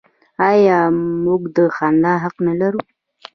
آیا موږ د خندا حق نلرو؟